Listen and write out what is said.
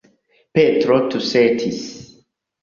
Petro tusetis.